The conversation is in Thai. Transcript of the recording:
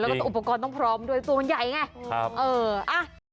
แล้วก็อุปกรณ์ต้องพร้อมด้วยตัวมันใหญ่ไงครับเอออ่ะ